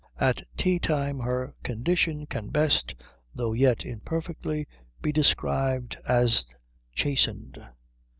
At tea time her condition can best, though yet imperfectly, be described as chastened.